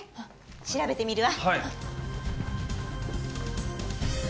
調べてみるわ。